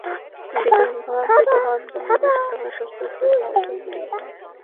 বিধবাবিবাহ-আন্দোলনে শতকরা সত্তর জন ভারতীয় নারীর কোন স্বার্থই নাই।